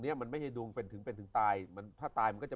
เนี้ยมันไม่ใช่ดวงเป็นถึงเป็นถึงตายมันถ้าตายมันก็จะ